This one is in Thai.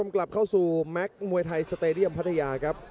กลับเข้าสู่แม็กซ์มวยไทยสเตดียมพัทยาครับ